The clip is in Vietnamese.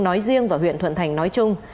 nói riêng và huyện thuận thành nói chung